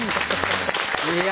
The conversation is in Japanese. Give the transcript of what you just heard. いや。